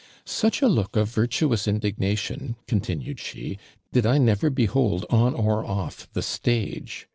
'Such a look of virtuous indignation,' continued she, 'did I never behold, on or off the stage.